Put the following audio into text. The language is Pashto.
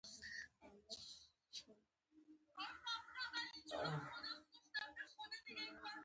د عرادې اعظمي عرض دوه اعشاریه څلور څلویښت متره دی